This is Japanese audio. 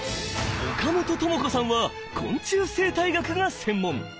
岡本朋子さんは昆虫生態学が専門。